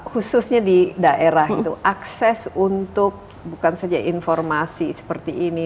khususnya di daerah itu akses untuk bukan saja informasi seperti ini